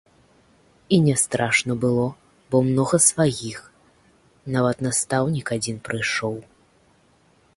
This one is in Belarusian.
І не страшна было, бо многа сваіх, нават настаўнік адзін прыйшоў.